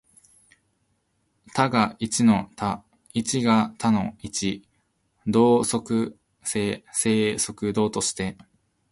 多が一の多、一が多の一、動即静、静即動として、